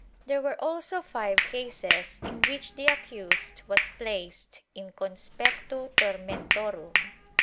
There were also five cases in which the accused was placed in conspectu tormen torum.